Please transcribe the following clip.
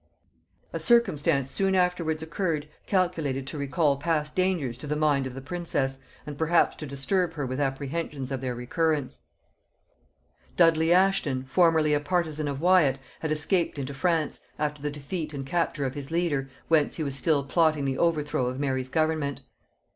19.] A circumstance soon afterwards occurred calculated to recall past dangers to the mind of the princess, and perhaps to disturb her with apprehensions of their recurrence. Dudley Ashton, formerly a partisan of Wyat, had escaped into France, after the defeat and capture of his leader, whence he was still plotting the overthrow of Mary's government.